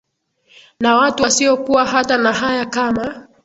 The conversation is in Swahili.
Na watu wasio kuwa hata na haya kama